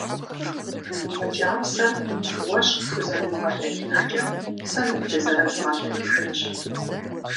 Мы кӏапсэр уэ щыпхузэрымыгъэлъэлъыжкӏэ сэ ныбдызэрызгъэлъэлъыжынщ.